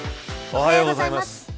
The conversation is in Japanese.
おはようございます。